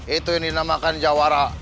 itu yang dinamakan jawara